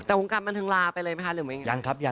แต่วงการบันเทิงลาไปเลยไหมค่ะหรือไง